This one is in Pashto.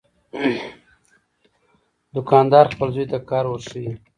دوکاندار خپل زوی ته کار ورښيي.